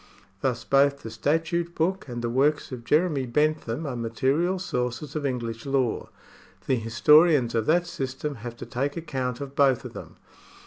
Thus both the statute book and the works of Jeremy Bentham are material sources of English law. The historians of that system have to take account of both of them.